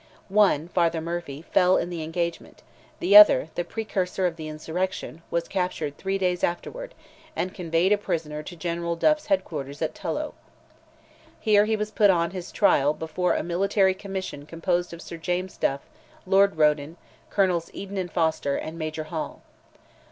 One, Father Murphy, fell in the engagement, the other, the precursor of the insurrection, was captured three days afterward, and conveyed a prisoner to General Duff's headquarters at Tullow. Here he was put on his trial before a Military Commission composed of Sir James Duff, Lord Roden, Colonels Eden and Foster, and Major Hall.